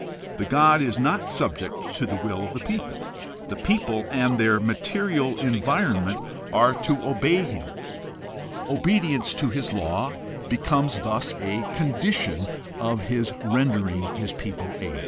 The god is not subject to the will of the people; the people and their material environment are to obey him. 44 GUIDE TO STUDY OF CHRISTIAN RELIGION Obedience to his law becomes thus a condition of his rendering his people aid.